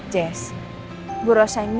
jess ibu rosa ini mau amur tuaku